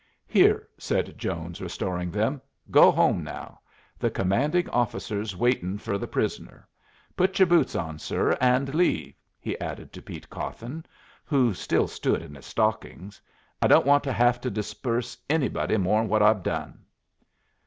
"Here," said Jones, restoring them. "Go home now. The commanding officer's waitin' fer the prisoner. Put yer boots on, sir, and leave," he added to Pete Cawthon, who still stood in his stockings. "I don't want to hev to disperse anybody more'n what I've done."